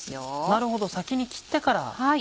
なるほど先に切ってから。